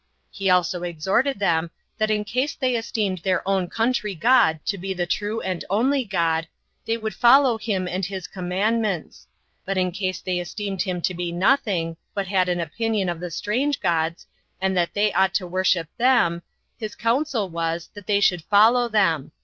He also exhorted them, that in case they esteemed their own country God to be the true and the only God, they would follow him and his commandments; but in case they esteemed him to be nothing, but had an opinion of the strange gods, and that they ought to worship them, his counsel was, that they should follow them.